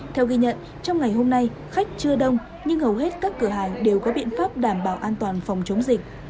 theo ghi nhận trong ngày hôm nay khách chưa đông nhưng hầu hết các cửa hàng đều có biện pháp đảm bảo an toàn phòng chống dịch